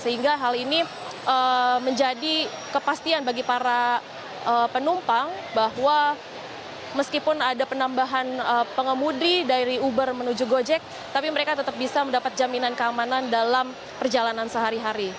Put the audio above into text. sehingga hal ini menjadi kepastian bagi para penumpang bahwa meskipun ada penambahan pengemudi dari uber menuju gojek tapi mereka tetap bisa mendapat jaminan keamanan dalam perjalanan sehari hari